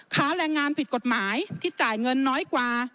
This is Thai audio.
แรงงานผิดกฎหมายที่จ่ายเงินน้อยกว่า